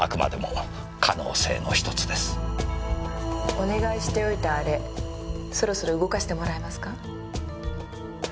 お願いしておいたあれそろそろ動かしてもらえますか。